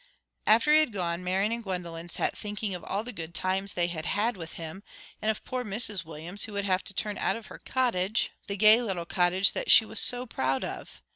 After he had gone, Marian and Gwendolen sat thinking of all the good times that they had had with him, and of poor Mrs Williams, who would have to turn out of her cottage the gay little cottage that she was so proud of.